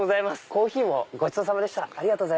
コーヒーもごちそうさまでした。